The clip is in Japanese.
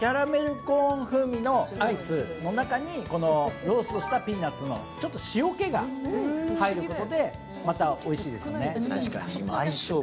コーン風味のアイスの中にローストしたピーナッツのちょっと塩気が入ることで、またおいしいですね。